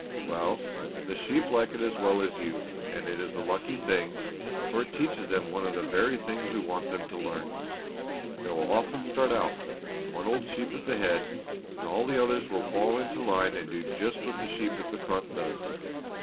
"Well, the sheep like it as well as you, and it is a lucky thing, for it teaches them one of the very things we want them to learn. They will often start out, one old sheep at the head, and all the others will fall into line and do just what that sheep at the front does.